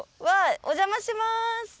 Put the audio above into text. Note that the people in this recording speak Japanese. お邪魔します。